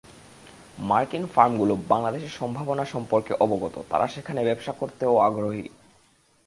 মার্কিন ফার্মগুলো বাংলাদেশের সম্ভাবনা সম্পর্কে অবগত, তারা সেখানে ব্যবসা করতেও আগ্রহী।